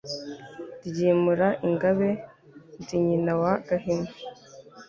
Ryimura ingabe, Ndi nyina wa Gahima,